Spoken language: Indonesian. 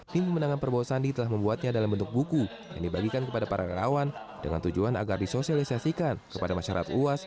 tim pemenangan prabowo sandi telah membuatnya dalam bentuk buku yang dibagikan kepada para relawan dengan tujuan agar disosialisasikan kepada masyarakat luas